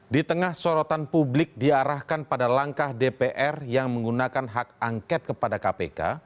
di tengah sorotan publik diarahkan pada langkah dpr yang menggunakan hak angket kepada kpk